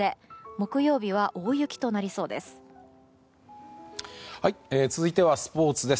木曜日は大雪となりそうです。